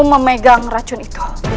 memegang racun itu